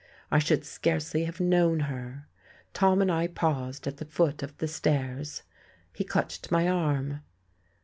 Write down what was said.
I should scarcely have known her. Tom and I paused at the foot of the stairs. He clutched my arm.